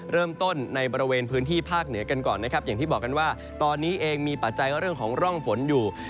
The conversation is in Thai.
เริ่มต้นในบริเวณพื้นที่ภาคเหนือกันก่อนนะครับอย่างที่บอกกันว่าตอนนี้เองมีปัจจัยเรื่องของร่องฝนอยู่